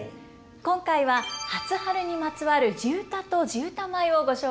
今回は初春にまつわる地唄と地唄舞をご紹介いたします。